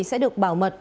sẽ được bảo mật